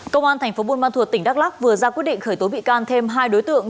công an tp bun man thuột tỉnh đắk lắc vừa ra quyết định khởi tố bị can thêm hai đối tượng